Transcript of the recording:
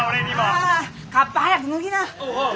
ああカッパ早く脱ぎな！